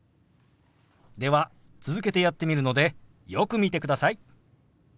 では続けてやってみるのでよく見てください。